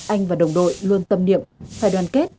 anh và đồng đội luôn tâm niệm phải đoàn kết